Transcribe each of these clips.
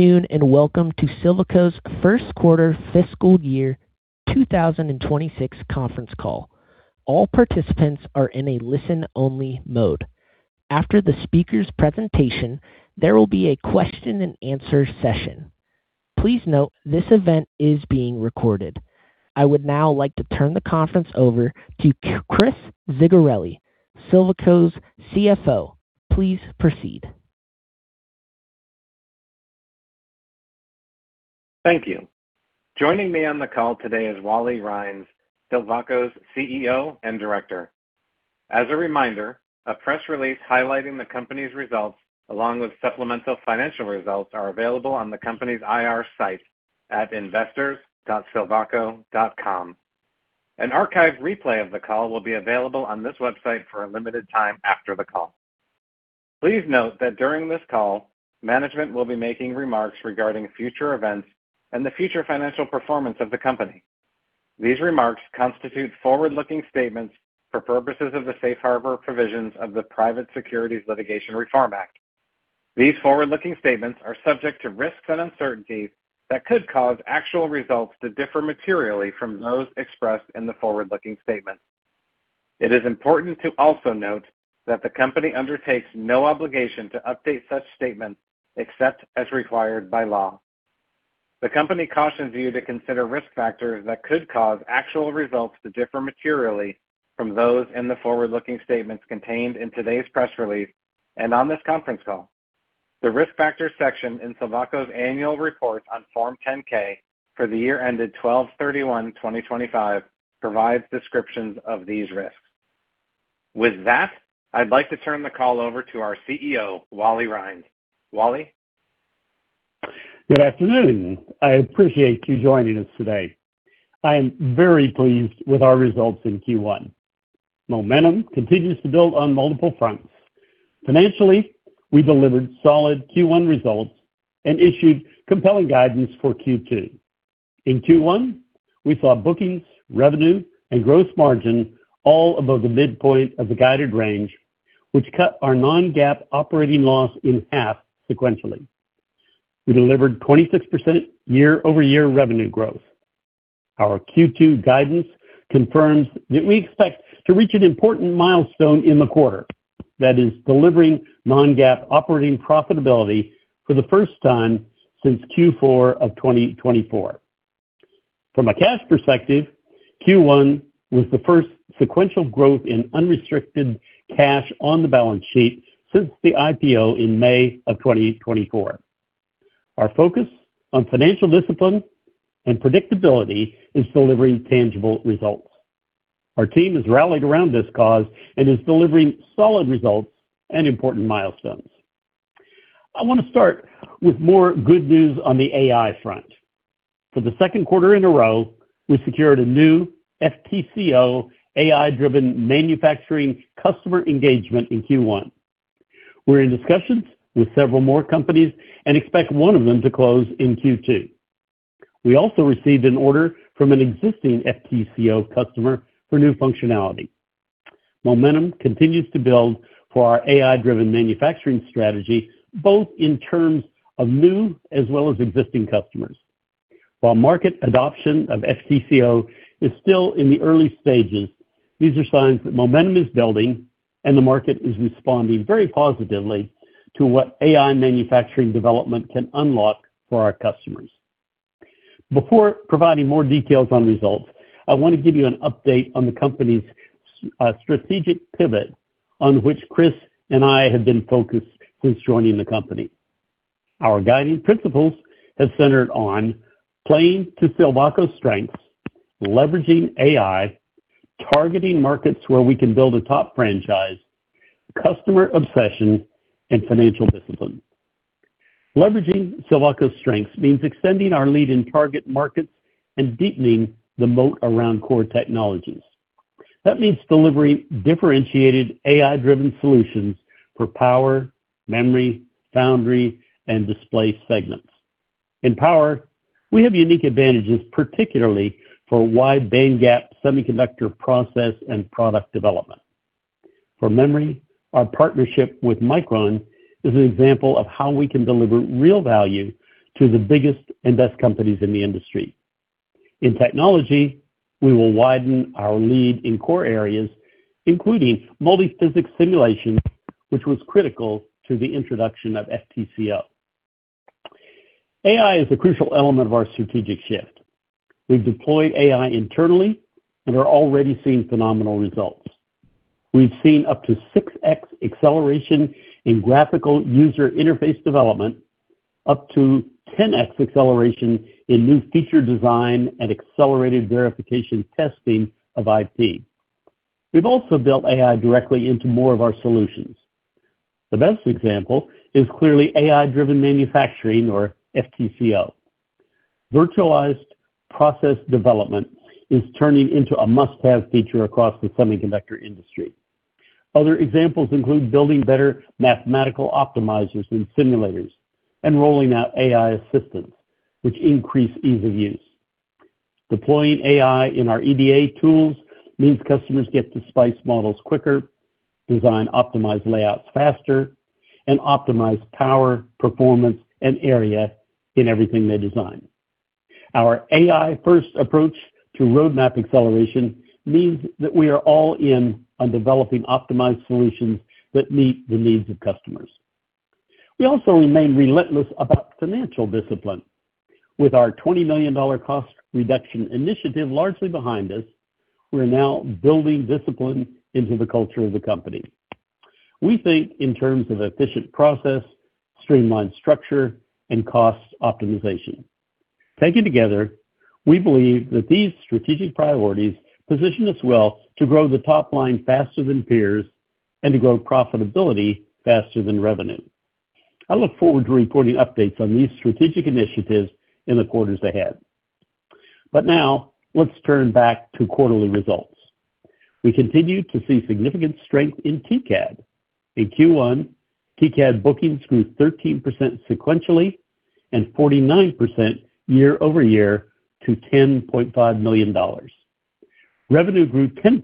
Afternoon, welcome to Silvaco's first quarter fiscal year 2026 conference call. All participants are in a listen-only mode. After the speaker's presentation, there will be a question and answer session. Please note this event is being recorded. I would now like to turn the conference over to Chris Zegarelli, Silvaco's CFO. Please proceed. Thank you. Joining me on the call today is Wally Rhines, Silvaco's CEO and Director. As a reminder, a press release highlighting the company's results along with supplemental financial results are available on the company's IR site at investors.silvaco.com. An archived replay of the call will be available on this website for a limited time after the call. Please note that during this call, management will be making remarks regarding future events and the future financial performance of the company. These remarks constitute forward-looking statements for purposes of the safe harbor provisions of the Private Securities Litigation Reform Act. These forward-looking statements are subject to risks and uncertainties that could cause actual results to differ materially from those expressed in the forward-looking statement. It is important to also note that the company undertakes no obligation to update such statements except as required by law. The company cautions you to consider risk factors that could cause actual results to differ materially from those in the forward-looking statements contained in today's press release and on this conference call. The Risk Factors section in Silvaco's annual report on Form 10-K for the year ended 12/31/2025 provides descriptions of these risks. With that, I'd like to turn the call over to our CEO, Wally Rhines. Wally? Good afternoon. I appreciate you joining us today. I am very pleased with our results in Q1. Momentum continues to build on multiple fronts. Financially, we delivered solid Q1 results and issued compelling guidance for Q2. In Q1, we saw bookings, revenue, and gross margin all above the midpoint of the guided range, which cut our non-GAAP operating loss in half sequentially. We delivered 26% year-over-year revenue growth. Our Q2 guidance confirms that we expect to reach an important milestone in the quarter, that is delivering non-GAAP operating profitability for the first time since Q4 of 2024. From a cash perspective, Q1 was the first sequential growth in unrestricted cash on the balance sheet since the IPO in May of 2024. Our focus on financial discipline and predictability is delivering tangible results. Our team has rallied around this cause and is delivering solid results and important milestones. I want to start with more good news on the AI front. For the second quarter in a row, we secured a new FTCO AI-driven manufacturing customer engagement in Q1. We're in discussions with several more companies and expect one of them to close in Q2. We also received an order from an existing FTCO customer for new functionality. Momentum continues to build for our AI-driven manufacturing strategy, both in terms of new as well as existing customers. While market adoption of FTCO is still in the early stages, these are signs that momentum is building and the market is responding very positively to what AI manufacturing development can unlock for our customers. Before providing more details on results, I want to give you an update on the company's strategic pivot on which Chris and I have been focused since joining the company. Our guiding principles have centered on playing to Silvaco's strengths, leveraging AI, targeting markets where we can build a top franchise, customer obsession, and financial discipline. Leveraging Silvaco's strengths means extending our lead in target markets and deepening the moat around core technologies. That means delivering differentiated AI-driven solutions for power, memory, foundry, and display segments. In power, we have unique advantages, particularly for wide bandgap semiconductor process and product development. For memory, our partnership with Micron is an example of how we can deliver real value to the biggest and best companies in the industry. In technology, we will widen our lead in core areas, including multiphysics simulation, which was critical to the introduction of FTCO. AI is a crucial element of our strategic shift. We've deployed AI internally and are already seeing phenomenal results. We've seen up to 6x acceleration in graphical user interface development, up to 10x acceleration in new feature design and accelerated verification testing of IP. We've also built AI directly into more of our solutions. The best example is clearly AI-driven manufacturing or FTCO. Virtualized process development is turning into a must-have feature across the semiconductor industry. Other examples include building better mathematical optimizers and simulators and rolling out AI assistants, which increase ease of use. Deploying AI in our EDA tools means customers get to SPICE models quicker, design optimized layouts faster, and optimize power, performance, and area in everything they design. Our AI-first approach to roadmap acceleration means that we are all in on developing optimized solutions that meet the needs of customers. We also remain relentless about financial discipline. With our $20 million cost reduction initiative largely behind us, we're now building discipline into the culture of the company. We think in terms of efficient process, streamlined structure, and cost optimization. Taken together, we believe that these strategic priorities position us well to grow the top line faster than peers and to grow profitability faster than revenue. I look forward to reporting updates on these strategic initiatives in the quarters ahead. Now let's turn back to quarterly results. We continue to see significant strength in TCAD. In Q1, TCAD bookings grew 13% sequentially and 49% year-over-year to $10.5 million. Revenue grew 10%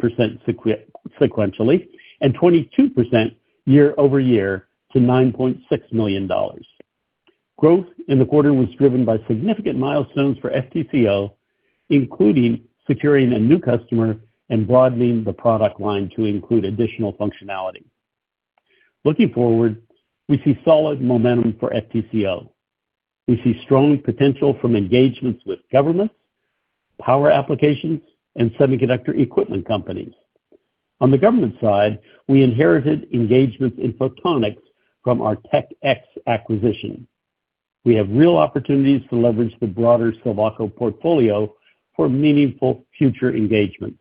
sequentially and 22% year-over-year to $9.6 million. Growth in the quarter was driven by significant milestones for FTCO, including securing a new customer and broadening the product line to include additional functionality. Looking forward, we see solid momentum for FTCO. We see strong potential from engagements with governments, power applications, and semiconductor equipment companies. On the government side, we inherited engagements in photonics from our Tech-X acquisition. We have real opportunities to leverage the broader Silvaco portfolio for meaningful future engagements.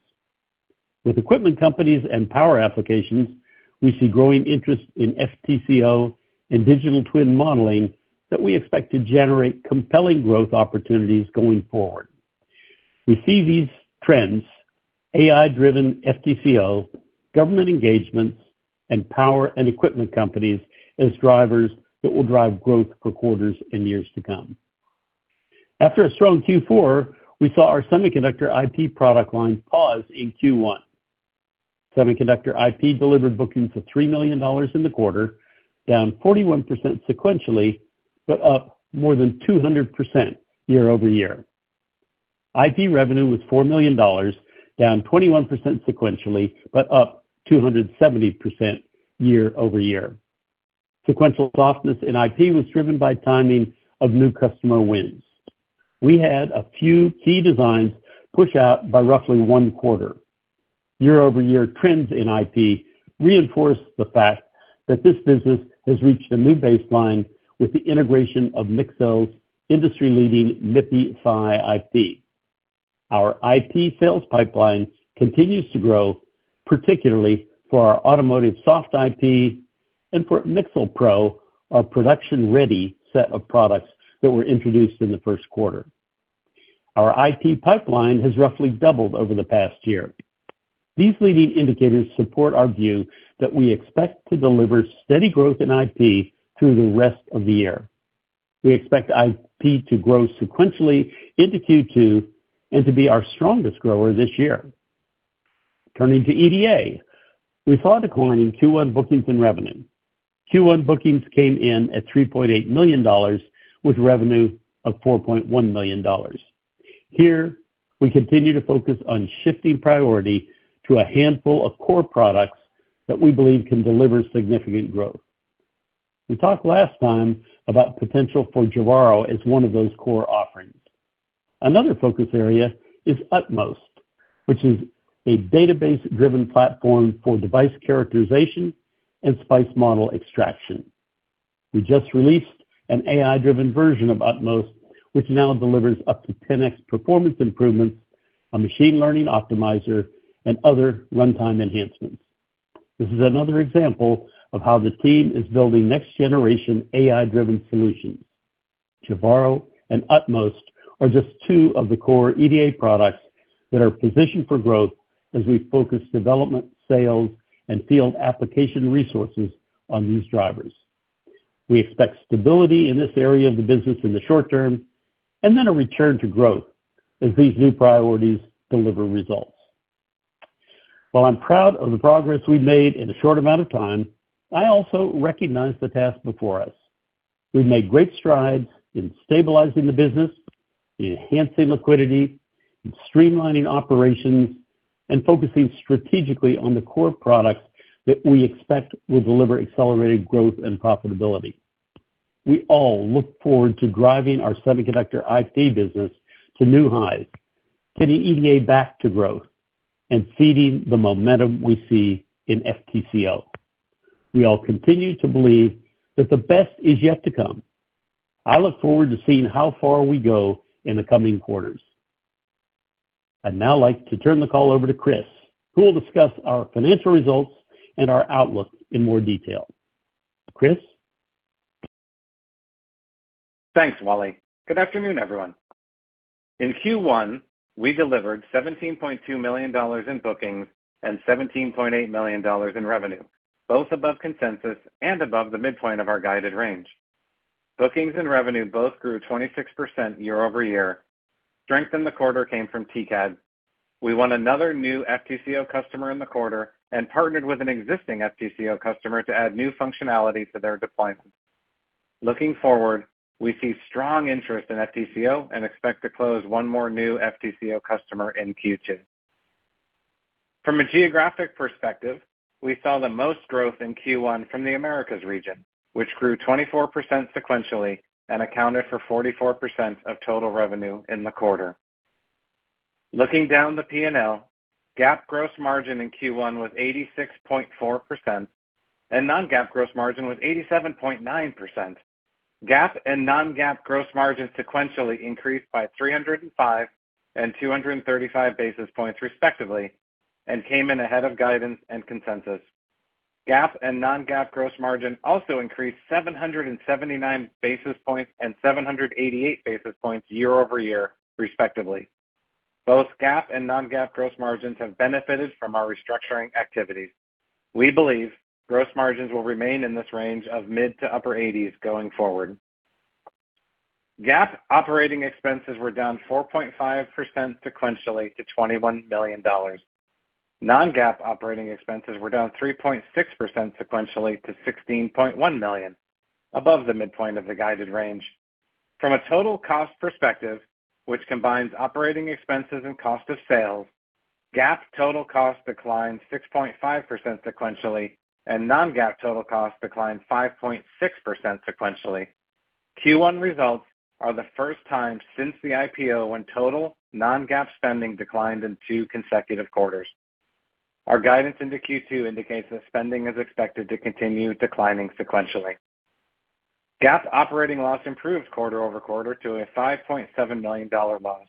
With equipment companies and power applications, we see growing interest in FTCO and digital twin modeling that we expect to generate compelling growth opportunities going forward. We see these trends, AI-driven FTCO, government engagements, and power and equipment companies, as drivers that will drive growth for quarters and years to come. After a strong Q4, we saw our semiconductor IP product line pause in Q1. Semiconductor IP delivered bookings of $3 million in the quarter, down 41% sequentially, but up more than 200% year-over-year. IP revenue was $4 million, down 21% sequentially, but up 270% year-over-year. Sequential softness in IP was driven by timing of new customer wins. We had a few key designs push out by roughly one quarter. Year-over-year trends in IP reinforce the fact that this business has reached a new baseline with the integration of Mixel's industry-leading MIPI PHY IP. Our IP sales pipeline continues to grow, particularly for our automotive soft IP and for Mixel PRO, our production-ready set of products that were introduced in the first quarter. Our IP pipeline has roughly doubled over the past year. These leading indicators support our view that we expect to deliver steady growth in IP through the rest of the year. We expect IP to grow sequentially into Q2 and to be our strongest grower this year. Turning to EDA, we saw decline in Q1 bookings and revenue. Q1 bookings came in at $3.8 million, with revenue of $4.1 million. Here we continue to focus on shifting priority to a handful of core products that we believe can deliver significant growth. We talked last time about potential for Jivaro as one of those core offerings. Another focus area is Utmost, which is a database-driven platform for device characterization and SPICE model extraction. We just released an AI-driven version of Utmost, which now delivers up to 10x performance improvements on machine learning optimizer and other runtime enhancements This is another example of how the team is building next-generation AI-driven solutions. Jivaro and UTMOST are just two of the core EDA products that are positioned for growth as we focus development, sales, and field application resources on these drivers. We expect stability in this area of the business in the short term, and then a return to growth as these new priorities deliver results. While I'm proud of the progress we've made in a short amount of time, I also recognize the task before us. We've made great strides in stabilizing the business, enhancing liquidity, and streamlining operations, and focusing strategically on the core products that we expect will deliver accelerated growth and profitability. We all look forward to driving our semiconductor IP business to new highs, getting EDA back to growth, and seeding the momentum we see in FTCO. We all continue to believe that the best is yet to come. I look forward to seeing how far we go in the coming quarters. I'd now like to turn the call over to Chris, who will discuss our financial results and our outlook in more detail. Chris? Thanks, Wally. Good afternoon, everyone. In Q1, we delivered $17.2 million in bookings and $17.8 million in revenue, both above consensus and above the midpoint of our guided range. Bookings and revenue both grew 26% year-over-year. Strength in the quarter came from TCAD. We won another new FTCO customer in the quarter and partnered with an existing FTCO customer to add new functionality to their deployment. Looking forward, we see strong interest in FTCO and expect to close one more new FTCO customer in Q2. From a geographic perspective, we saw the most growth in Q1 from the Americas region, which grew 24% sequentially and accounted for 44% of total revenue in the quarter. Looking down the P&L, GAAP gross margin in Q1 was 86.4%, and non-GAAP gross margin was 87.9%. GAAP and non-GAAP gross margin sequentially increased by 305 and 235 basis points, respectively, and came in ahead of guidance and consensus. GAAP and non-GAAP gross margin also increased 779 basis points and 788 basis points year-over-year, respectively. Both GAAP and non-GAAP gross margins have benefited from our restructuring activities. We believe gross margins will remain in this range of mid to upper eighties going forward. GAAP operating expenses were down 4.5% sequentially to $21 million. Non-GAAP operating expenses were down 3.6% sequentially to $16.1 million, above the midpoint of the guided range. From a total cost perspective, which combines operating expenses and cost of sales, GAAP total cost declined 6.5% sequentially, and non-GAAP total cost declined 5.6% sequentially. Q1 results are the first time since the IPO when total non-GAAP spending declined in two consecutive quarters. Our guidance into Q2 indicates that spending is expected to continue declining sequentially. GAAP operating loss improved quarter-over-quarter to a $5.7 million loss.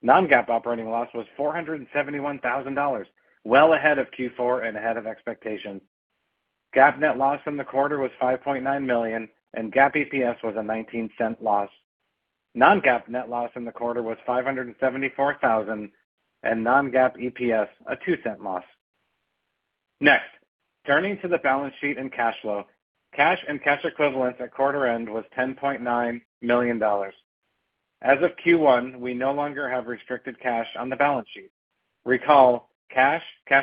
Non-GAAP operating loss was $471,000, well ahead of Q4 and ahead of expectations. GAAP net loss in the quarter was $5.9 million, and GAAP EPS was a $0.19 loss. Non-GAAP net loss in the quarter was $574,000 and non-GAAP EPS a $0.02 loss. Next, turning to the balance sheet and cash flow. Cash and cash equivalents at quarter end was $10.9 million. As of Q1, we no longer have restricted cash on the balance sheet. Recall, cash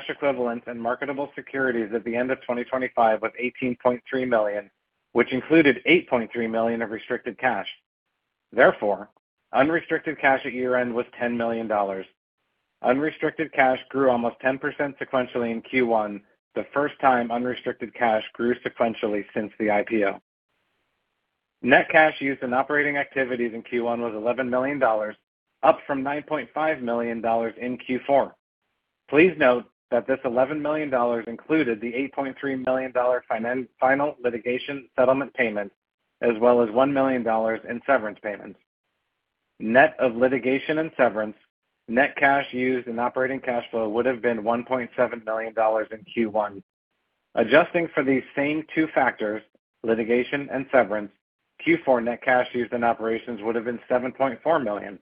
equivalents, and marketable securities at the end of 2025 was $18.3 million, which included $8.3 million of restricted cash. Therefore, unrestricted cash at year-end was $10 million. Unrestricted cash grew almost 10% sequentially in Q1, the first time unrestricted cash grew sequentially since the IPO. Net cash used in operating activities in Q1 was $11 million, up from $9.5 million in Q4. Please note that this $11 million included the $8.3 million final litigation settlement payment as well as $1 million in severance payments. Net of litigation and severance, net cash used in operating cash flow would have been $1.7 million in Q1. Adjusting for these same two factors, litigation and severance, Q4 net cash used in operations would have been $7.4 million.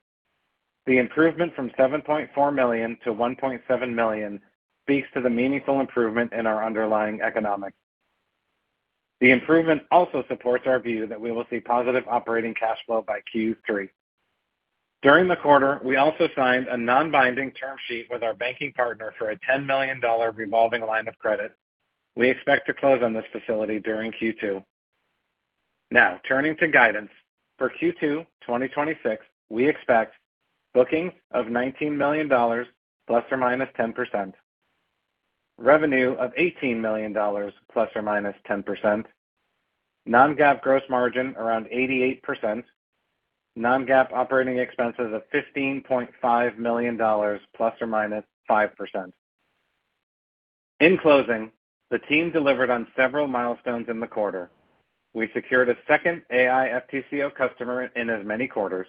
The improvement from $7.4 million to $1.7 million speaks to the meaningful improvement in our underlying economics. The improvement also supports our view that we will see positive operating cash flow by Q3. During the quarter, we also signed a non-binding term sheet with our banking partner for a $10 million revolving line of credit. We expect to close on this facility during Q2. Now, turning to guidance. For Q2 2026, we expect bookings of $19 million ±10%, revenue of $18 million ±10%, non-GAAP gross margin around 88%, non-GAAP operating expenses of $15.5 million ±5%. In closing, the team delivered on several milestones in the quarter. We secured a second AI FTCO customer in as many quarters.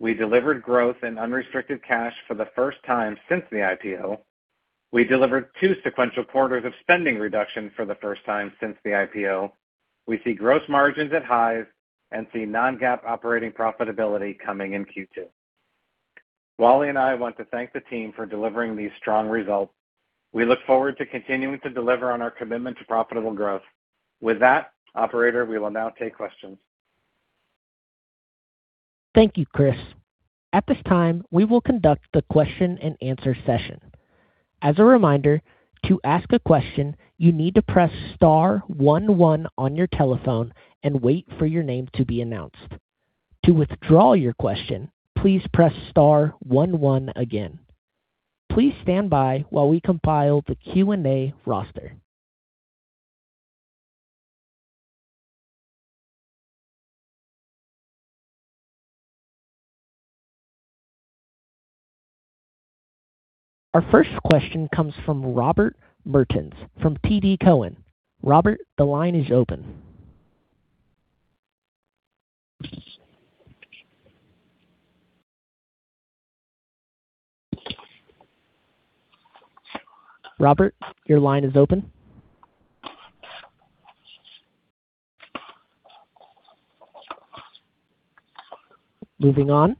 We delivered growth in unrestricted cash for the first time since the IPO. We delivered two sequential quarters of spending reduction for the first time since the IPO. We see gross margins at highs and see non-GAAP operating profitability coming in Q2. Wally and I want to thank the team for delivering these strong results. We look forward to continuing to deliver on our commitment to profitable growth. With that, operator, we will now take questions. Thank you, Chris. At this time, we will conduct the question and answer session. As a reminder, to ask a question, you need to press star one one on your telephone and wait for your name to be announced. To withdraw your question, please press star one one again. Please stand by while we compile the Q&A roster. Our first question comes from Robert Mertens from TD Cowen. Robert, the line is open. Robert, your line is open. Moving on.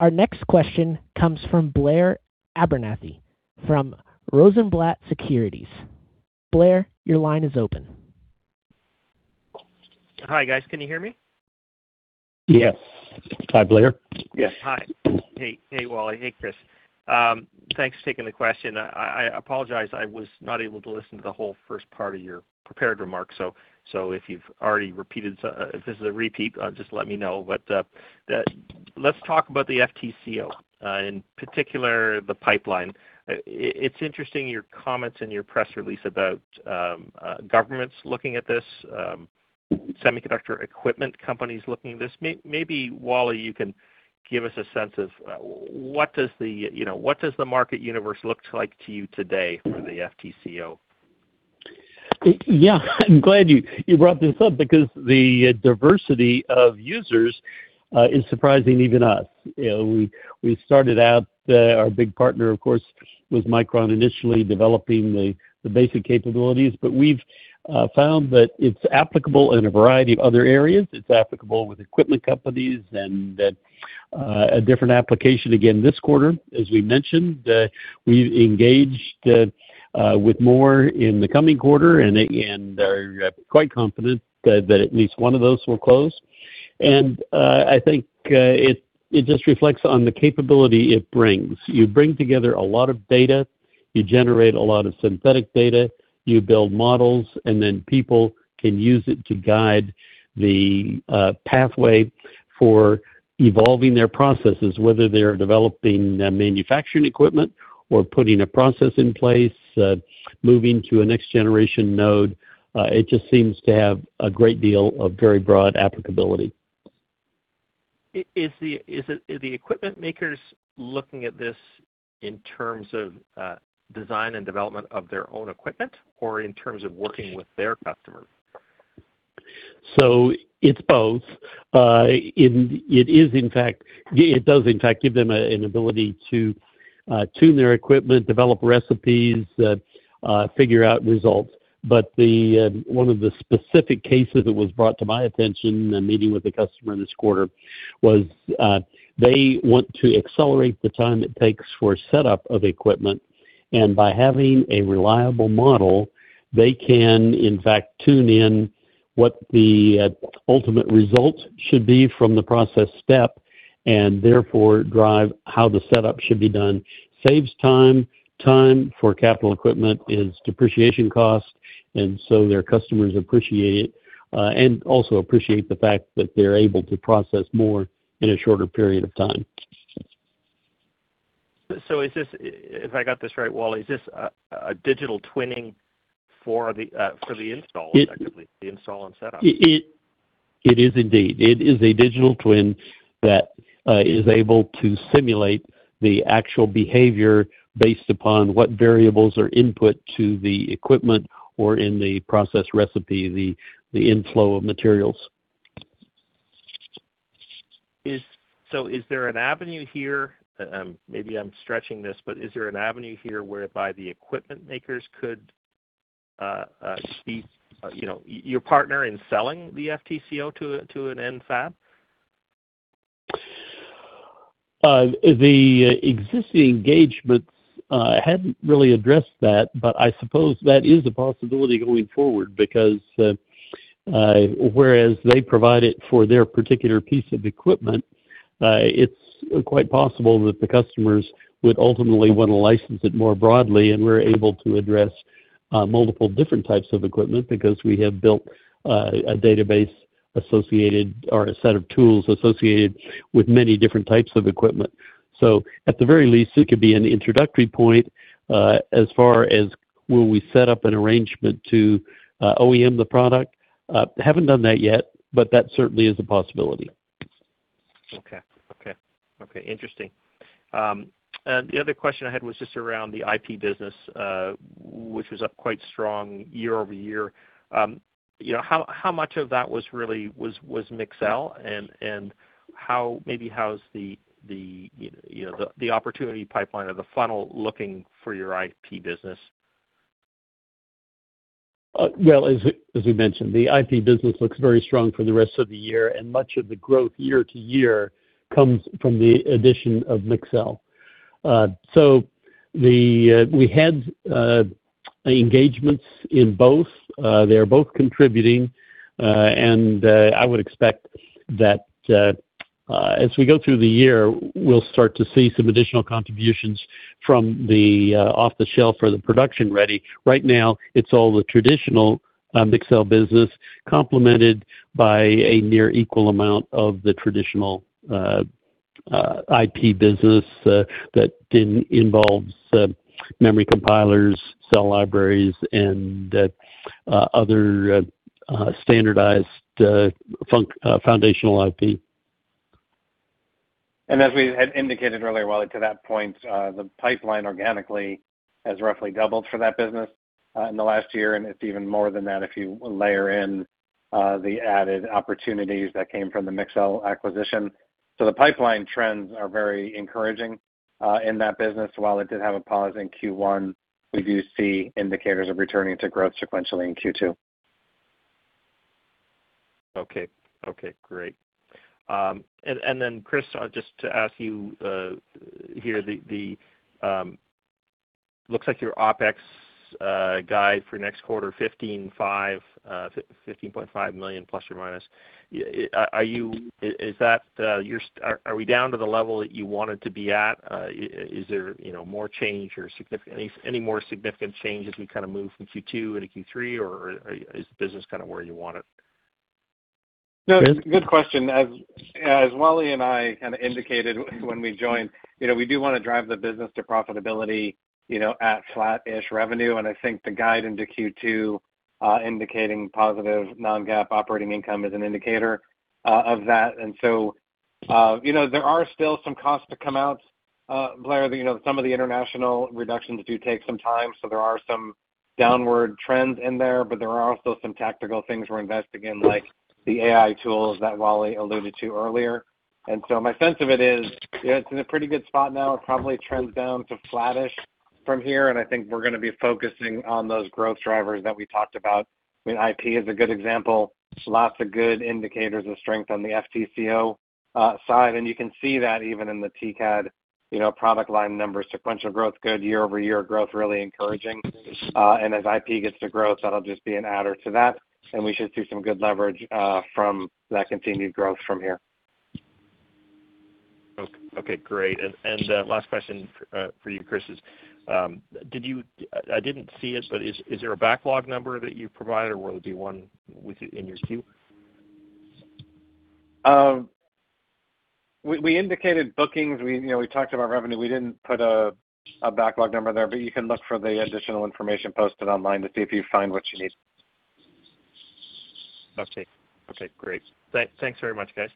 Our next question comes from Blair Abernethy from Rosenblatt Securities. Blair, your line is open. Hi, guys. Can you hear me? Yes. Hi, Blair. Yes. Hi. Hey, hey, Wally. Hey, Chris. Thanks for taking the question. I apologize, I was not able to listen to the whole first part of your prepared remarks, so if you've already repeated if this is a repeat, just let me know. Let's talk about the FTCO, in particular the pipeline. It's interesting your comments in your press release about governments looking at this, semiconductor equipment companies looking at this. Maybe, Wally, you can give us a sense of what does the, you know, what does the market universe look like to you today for the FTCO? Yeah, I'm glad you brought this up because the diversity of users is surprising even us. You know, we started out, our big partner, of course, was Micron, initially developing the basic capabilities. We've found that it's applicable in a variety of other areas. It's applicable with equipment companies and that, a different application, again, this quarter, as we mentioned, we've engaged with more in the coming quarter and are quite confident that at least one of those will close. I think it just reflects on the capability it brings. You bring together a lot of data, you generate a lot of synthetic data, you build models, and then people can use it to guide the pathway for evolving their processes, whether they're developing manufacturing equipment or putting a process in place, moving to a next generation node. It just seems to have a great deal of very broad applicability. Are the equipment makers looking at this in terms of design and development of their own equipment or in terms of working with their customers? It's both. It does in fact give them an ability to tune their equipment, develop recipes that figure out results. The one of the specific cases that was brought to my attention in a meeting with a customer this quarter was, they want to accelerate the time it takes for setup of equipment. By having a reliable model, they can in fact tune in what the ultimate result should be from the process step, and therefore drive how the setup should be done. Saves time. Time for capital equipment is depreciation cost, their customers appreciate it, and also appreciate the fact that they're able to process more in a shorter period of time. If I got this right, Wally, is this a digital twinning for the install, effectively, the install and setup? It is indeed. It is a digital twin that is able to simulate the actual behavior based upon what variables are input to the equipment or in the process recipe, the inflow of materials. Is there an avenue here, maybe I'm stretching this, but is there an avenue here whereby the equipment makers could be, you know, your partner in selling the FTCO to an end fab? The existing engagements hadn't really addressed that, but I suppose that is a possibility going forward because, whereas they provide it for their particular piece of equipment, it's quite possible that the customers would ultimately want to license it more broadly. We're able to address multiple different types of equipment because we have built a database associated or a set of tools associated with many different types of equipment. At the very least, it could be an introductory point, as far as will we set up an arrangement to OEM the product. Haven't done that yet, but that certainly is a possibility. Okay. Okay. Okay. Interesting. The other question I had was just around the IP business, which was up quite strong year-over-year. you know, how much of that was really Mixel? maybe how's you know, the opportunity pipeline or the funnel looking for your IP business? Well, as we mentioned, the IP business looks very strong for the rest of the year, and much of the growth year to year comes from the addition of Mixel. We had engagements in both. They are both contributing. I would expect that as we go through the year, we'll start to see some additional contributions from the off-the-shelf or the production ready. Right now it's all the traditional Mixel business complemented by a near equal amount of the traditional IP business that didn't involve the memory compilers, cell libraries, and the other standardized foundational IP. As we had indicated earlier, Wally, to that point, the pipeline organically has roughly doubled for that business, in the last year, and it's even more than that if you layer in, the added opportunities that came from the Mixel acquisition. The pipeline trends are very encouraging, in that business. While it did have a pause in Q1, we do see indicators of returning to growth sequentially in Q2. Okay. Okay, great. Then Chris, just to ask you, here the looks like your OpEx guide for next quarter $15.5 million ±. Are you, is that your are we down to the level that you wanted to be at? Is there, you know, more change or any more significant change as we kind of move from Q2 into Q3, or is business kind of where you want it? Chris? No, good question. As Wally and I kind of indicated when we joined, you know, we do wanna drive the business to profitability, you know, at flatish revenue. I think the guide into Q2, indicating positive non-GAAP operating income is an indicator of that. You know, there are still some costs to come out, Blair. You know, some of the international reductions do take some time, so there are some downward trends in there, but there are also some tactical things we're investing in, like the AI tools that Wally alluded to earlier. My sense of it is, you know, it's in a pretty good spot now. It probably trends down to flattish from here, and I think we're gonna be focusing on those growth drivers that we talked about. I mean, IP is a good example. There's lots of good indicators of strength on the FTCO side, and you can see that even in the TCAD, you know, product line numbers, sequential growth good, year-over-year growth really encouraging. As IP gets to growth, that'll just be an adder to that, and we should see some good leverage from that continued growth from here. Okay, great. Last question for you, Chris, I didn't see it, but is there a backlog number that you provided, or will there be one with you in your queue? We indicated bookings. We, you know, we talked about revenue. We didn't put a backlog number there, but you can look for the additional information posted online to see if you find what you need. Okay. Okay, great. Thanks very much, guys.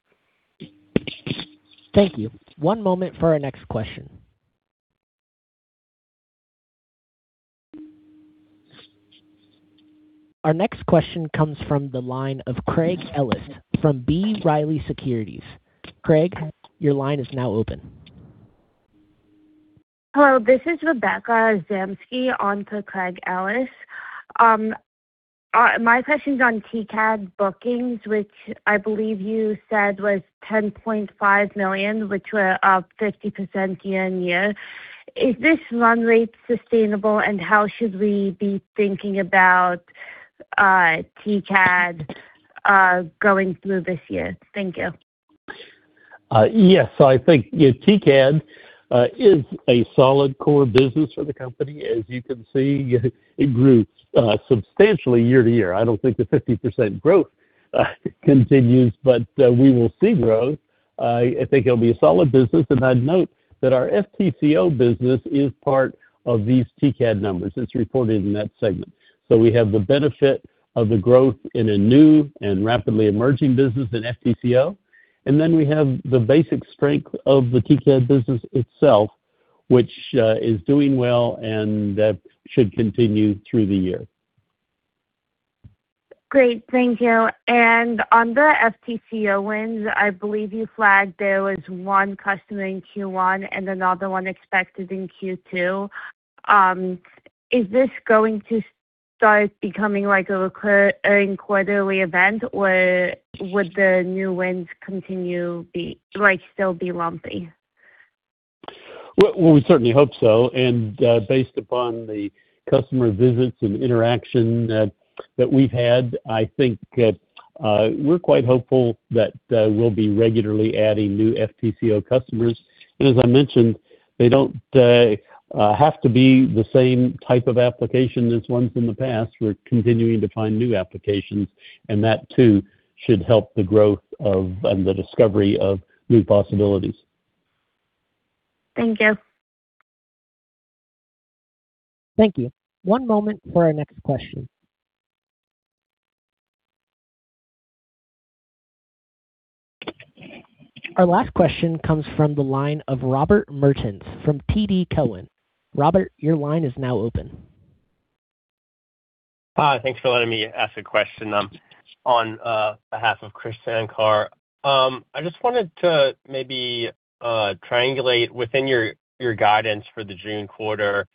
Thank you. One moment for our next question. Our next question comes from the line of Craig Ellis from B. Riley Securities. Craig, your line is now open. Hello, this is Rebecca Zamsky onto Craig Ellis. My question's on TCAD bookings, which I believe you said was $10.5 million, which were up 50% year-on-year. Is this run rate sustainable, and how should we be thinking about TCAD going through this year? Thank you. Yes. I think, you know, TCAD is a solid core business for the company. As you can see, it grew substantially year-over-year. I don't think the 50% growth continues, but we will see growth. I think it'll be a solid business. I'd note that our FTCO business is part of these TCAD numbers. It's reported in that segment. We have the benefit of the growth in a new and rapidly emerging business in FTCO, and then we have the basic strength of the TCAD business itself, which is doing well, and that should continue through the year. Great. Thank you. On the FTCO wins, I believe you flagged there was one customer in Q1 and another one expected in Q2. Is this going to start becoming like a recurring quarterly event or would the new wins continue like, still be lumpy? We certainly hope so. Based upon the customer visits and interaction that we've had, I think, we're quite hopeful that, we'll be regularly adding new FTCO customers. As I mentioned, they don't have to be the same type of application as ones in the past. We're continuing to find new applications, and that too should help the growth of and the discovery of new possibilities. Thank you. Thank you. One moment for our next question. Our last question comes from the line of Robert Mertens from TD Cowen. Robert, your line is now open. Hi. Thanks for letting me ask a question on behalf of Krish Sankar. I just wanted to maybe triangulate within your guidance for the June quarter.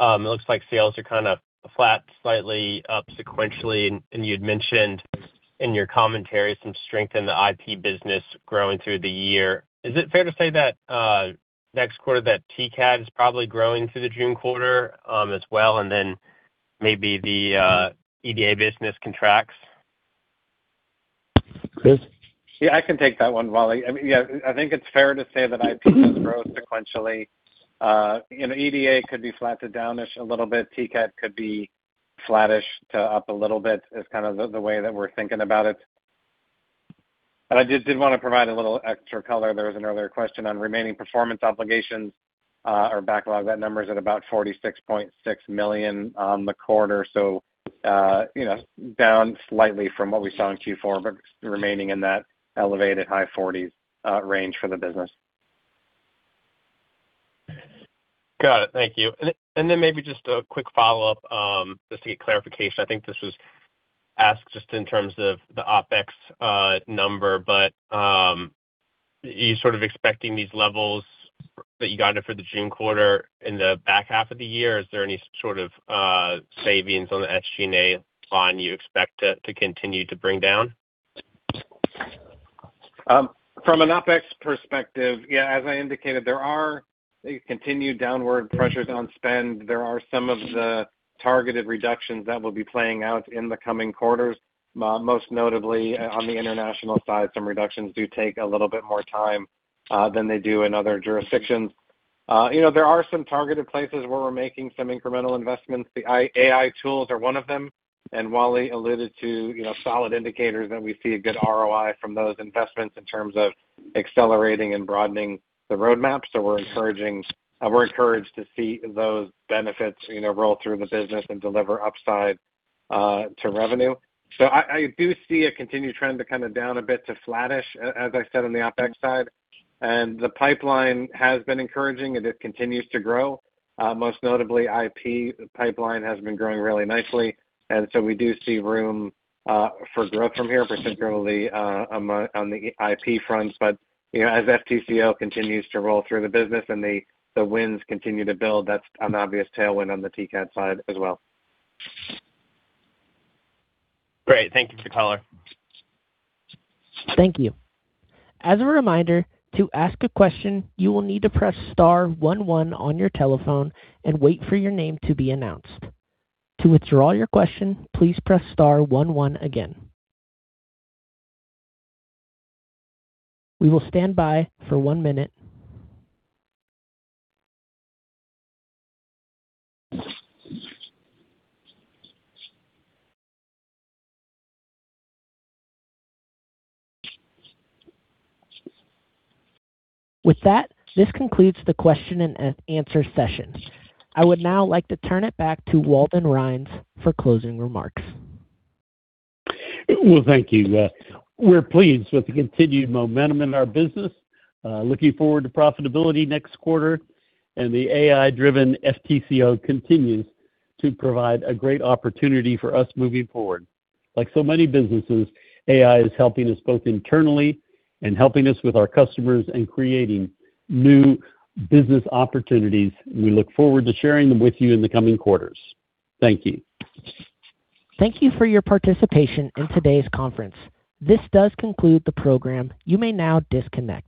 It looks like sales are kind of flat, slightly up sequentially, and you'd mentioned in your commentary some strength in the IP business growing through the year. Is it fair to say that next quarter that TCAD is probably growing through the June quarter as well and then maybe the EDA business contracts? Chris? I can take that one, Wally. I mean, I think it's fair to say that IP does grow sequentially. You know, EDA could be flat to downish a little bit. TCAD could be flattish to up a little bit, is kind of the way that we're thinking about it. I just did wanna provide a little extra color. There was an earlier question on remaining performance obligations or backlog. That number is at about $46.6 million on the quarter. You know, down slightly from what we saw in Q4, but remaining in that elevated high 40s range for the business. Got it. Thank you. Maybe just a quick follow-up, just to get clarification. I think this was asked just in terms of the OpEx number, but you sort of expecting these levels that you guided for the June quarter in the back half of the year? Is there any sort of savings on the SG&A line you expect to continue to bring down? From an OpEx perspective, yeah, as I indicated, there are continued downward pressures on spend. There are some of the targeted reductions that will be playing out in the coming quarters. Most notably on the international side, some reductions do take a little bit more time than they do in other jurisdictions. You know, there are some targeted places where we're making some incremental investments. The AI tools are one of them, and Wally alluded to, you know, solid indicators that we see a good ROI from those investments in terms of accelerating and broadening the roadmap. We're encouraged to see those benefits, you know, roll through the business and deliver upside to revenue. I do see a continued trend to kind of down a bit to flattish, as I said, on the OpEx side. The pipeline has been encouraging, and it continues to grow. Most notably, IP pipeline has been growing really nicely. We do see room for growth from here, particularly on the IP front. You know, as FTCO continues to roll through the business and the wins continue to build, that's an obvious tailwind on the TCAD side as well. Great. Thank you for the color. Thank you. As a reminder, to ask a question, you will need to press star one one on your telephone and wait for your name to be announced. To withdraw your question, please press star one one again. We will stand by for one minute. With that, this concludes the question and answer session. I would now like to turn it back to Walden Rhines for closing remarks. Well, thank you. We're pleased with the continued momentum in our business. Looking forward to profitability next quarter, the AI-driven FTCO continues to provide a great opportunity for us moving forward. Like so many businesses, AI is helping us both internally and helping us with our customers and creating new business opportunities. We look forward to sharing them with you in the coming quarters. Thank you. Thank you for your participation in today's conference. This does conclude the program. You may now disconnect.